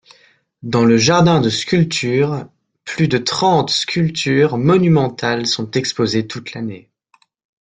Dans le jardin de sculptures, plus de trente sculptures monumentales sont exposées toute l'année.